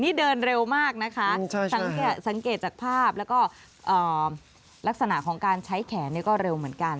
นี่เดินเร็วมากนะคะสังเกตจากภาพแล้วก็ลักษณะของการใช้แขนก็เร็วเหมือนกัน